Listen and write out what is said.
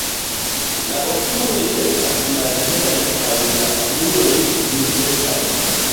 La okuloj estas malhelaj kaj la kruroj grizecaj.